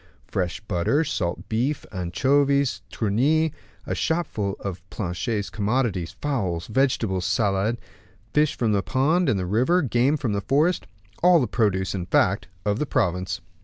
Fresh butter, salt beef, anchovies, tunny, a shopful of Planchet's commodities, fowls, vegetables, salad, fish from the pond and the river, game from the forest all the produce, in fact, of the province.